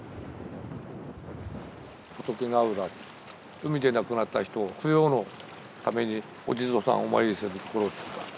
仏ヶ浦海で亡くなった人を供養のためにお地蔵さんをお参りする所ですから。